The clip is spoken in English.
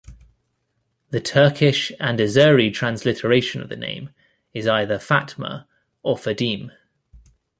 The Turkish and Azeri transliteration of the name is either "Fatma" or "Fadime".